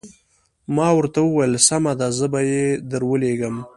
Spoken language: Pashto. ما ورته وویل سمه ده زه به یې درولېږم.